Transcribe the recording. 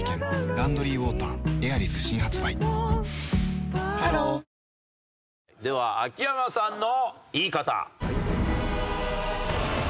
「ランドリーウォーターエアリス」新発売ハローでは秋山さんのイイカタ。